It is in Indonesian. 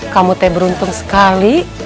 kamu teh beruntung sekali